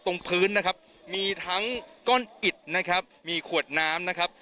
ตรงพื้นนะครับมีทั้งก้อนอิดนะครับมีขวดน้ำนะครับ